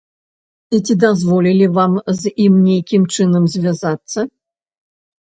І ці дазволілі вам з ім нейкім чынам звязацца?